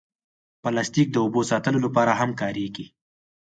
پلاستيک د اوبو ساتلو لپاره هم کارېږي.